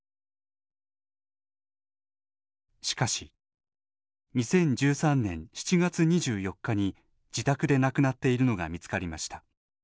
しかし２０１３年７月２４日に自宅で亡くなっているのが見つかりました。